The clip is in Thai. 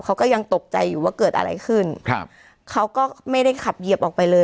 เขาก็ยังตกใจอยู่ว่าเกิดอะไรขึ้นครับเขาก็ไม่ได้ขับเหยียบออกไปเลย